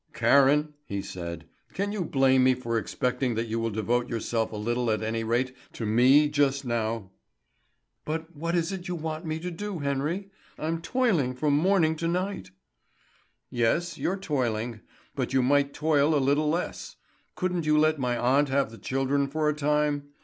"Karen," he said, "can you blame me for expecting that you will devote yourself a little at any rate to me just now?" "But what is it you want me to do, Henry? I'm toiling from morning to night." "Yes, you're toiling; but you might toil a little less. Couldn't you let my aunt have the children for a time?